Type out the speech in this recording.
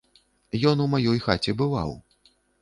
Ён у маёй хаце бываў.